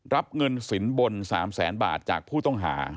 รับเงินสินบน๓แสนบาทจากผู้ต้องหา